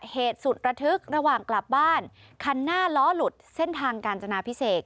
เหตุสุดระทึกระหว่างกลับบ้านคันหน้าล้อหลุดเส้นทางกาญจนาพิเศษ